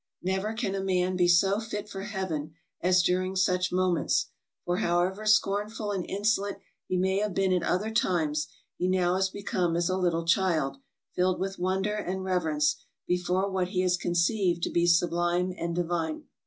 Never can a man be so fit for Heaven as during such moments, for however scorn ful and insolent he may have been at other times, he now has become as a little child, filled with wonder and rever ence before what he has conceived to be sublime and Divine.